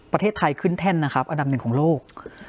ประเทศไทยขึ้นแท่นนะครับอันดับหนึ่งของโลก